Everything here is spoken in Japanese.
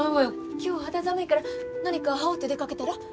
今日肌寒いから何か羽織って出かけたら。